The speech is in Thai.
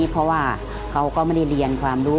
เพราะว่าเขาก็ไม่ได้เรียนความรู้